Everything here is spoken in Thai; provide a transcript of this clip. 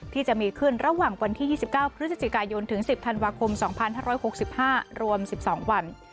ที่จะมีขึ้นระหว่างวันที่ยี่สิบเก้าพฤศจิกายนถึงสิบธันวาคมสองพันห้าร้อยหกสิบห้ารวมสิบสองวัน